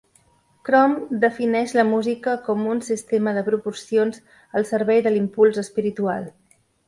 Crumb defineix la música com un sistema de proporcions al servei de l'impuls espiritual.